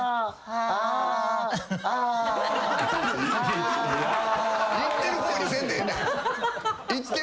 「ああ」いってるふうにせんでええねん。